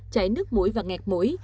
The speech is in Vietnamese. chảy nước mũi và nghẹt mũi